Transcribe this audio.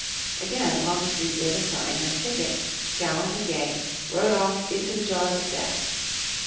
Again Longstreet gave a sign, and Pickett, gallant and gay, rode off "into the jaws of death."